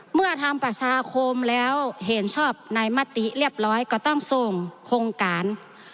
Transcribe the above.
เมื่อทำประชาคมแล้วเห็นชอบในมติเรียบร้อยก็ต้องส่งโครงการ